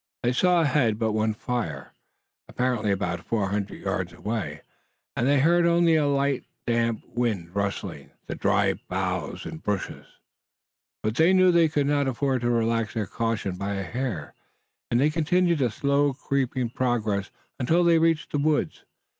They saw ahead but one fire, apparently about four hundred yards away, and they heard only a light damp wind rustling the dry boughs and bushes. But they knew they could not afford to relax their caution by a hair, and they continued a slow creeping progress until they reached the woods.